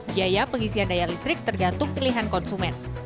biaya pengisian daya listrik tergantung pilihan konsumen